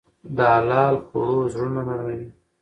د حلال خوړو زړونه نرموي.